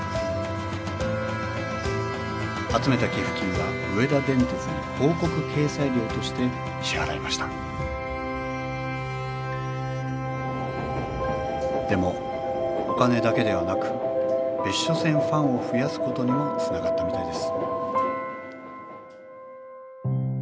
集めた寄付金は上田電鉄に広告掲載料として支払いましたでもお金だけではなく別所線ファンを増やすことにもつながったみたいです